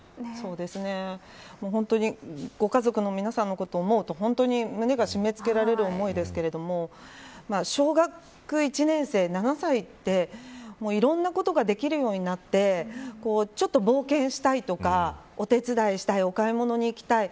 本当にご家族の皆さんのことを思うと胸が締め付けられる思いですけれども小学１年生、７歳っていろんなことができるようになってちょっと、冒険したいとかお手伝いしたいお買い物に行きたい。